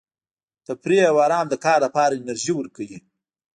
تفریح او ارام د کار لپاره انرژي ورکوي.